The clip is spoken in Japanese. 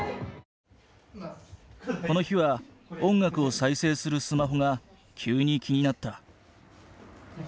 この日は音楽を再生するスマホが急に気になった。